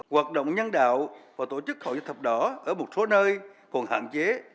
hoạt động nhân đạo và tổ chức hội dân thập đỏ ở một số nơi còn hạn chế